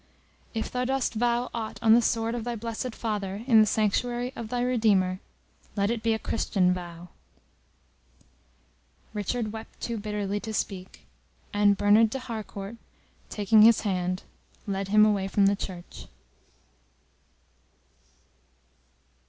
If thou dost vow aught on the sword of thy blessed father, in the sanctuary of thy Redeemer, let it be a Christian vow." Richard wept too bitterly to speak, and Bernard de Harcourt, taking his hand, led him away from the Church.